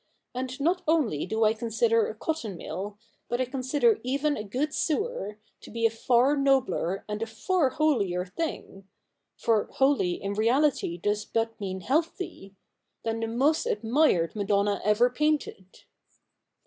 And not only do I consider a cotton mill, but I consider even a good sewer, to be a far nobler and a far holier thing — for holy in reality does but mean healthy — than the most admired Madonna ever painted.'